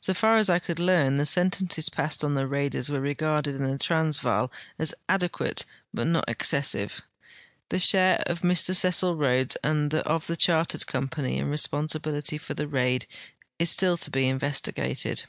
So far as I could learn, the sentences passed on the raiders were regarded in the Trans vaal as adequate but not excessive. The share of Mr Cecil Rhodes and of the Chartered Company in responsibility for the raid is still to be investigated.